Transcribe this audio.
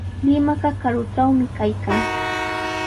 Limaqa karutrawmi kaykan.